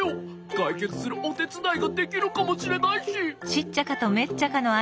かいけつするおてつだいができるかもしれないし。